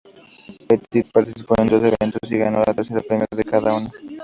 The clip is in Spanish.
Petit participó en dos eventos y ganó el tercer premio en cada una.